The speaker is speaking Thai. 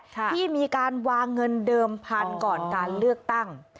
ที่มีการวางเงินเดิมพันธุ์ก่อนการเลือกตั้ง